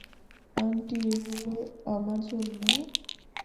Aunty, এগুলো আমার জন্যে?